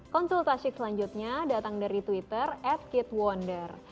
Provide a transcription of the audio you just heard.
konsultasi selanjutnya datang dari twitter at kit wonder